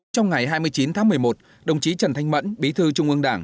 trong ngày hai mươi chín tháng một mươi một đồng chí trần thanh mẫn bí thư trung ương đảng